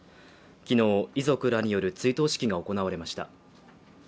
昨日、遺族らによる追悼式が行われました。